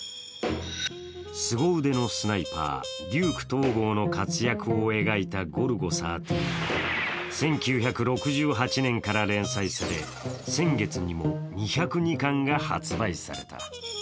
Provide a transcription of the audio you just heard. すご腕のスナイパー・デューク東郷の活躍を描いた「ゴルゴ１３」は１９６８年から連載され先月にも２０２巻が発売された。